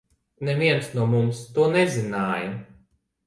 Neviens no mums to nezināja.